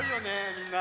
みんな。